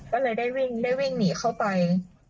ก็เลยได้วิ่งหนีเข้าไป